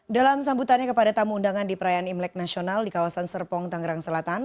dalam sambutannya kepada tamu undangan di perayaan imlek nasional di kawasan serpong tangerang selatan